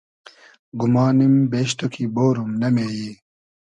گومانیم بیش تو کی بۉروم ، نۂ مې یی